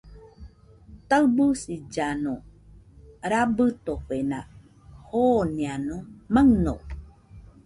Taɨbɨsillano rabɨtofena jooeno maɨño